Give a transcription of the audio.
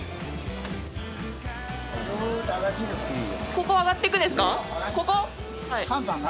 ここ上がっていくんですか。